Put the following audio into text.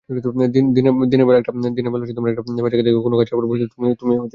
দিনের বেলা একটা প্যাঁচাকে কোনো গাছের কোটরে বসে থাকতে দেখতে পারো তুমি।